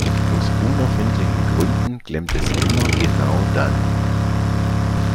Aus unerfindlichen Gründen klemmt es immer genau dann.